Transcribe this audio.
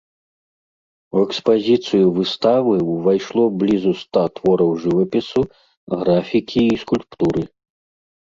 У экспазіцыю выставы ўвайшло блізу ста твораў жывапісу, графікі і скульптуры.